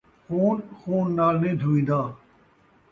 خون ، خون نال نئیں دھوین٘دا